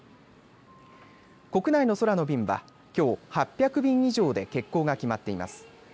国内の空の便はきょう８００便以上で欠航が決まっています。